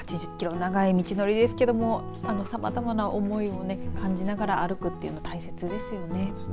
長い道のりですけれどもさまざまな思いを感じながら歩くというのも大切ですよね。